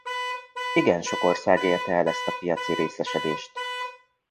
Igen sok ország érte el ezt a piaci részesedést.